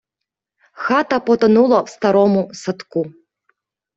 Хата потонула в старому садку.